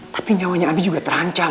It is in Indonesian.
tapi nyawanya abi juga terancam